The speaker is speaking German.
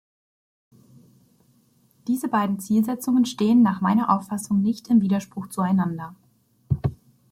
Diese beiden Zielsetzungen stehen nach meiner Auffassung nicht im Widerspruch zueinander.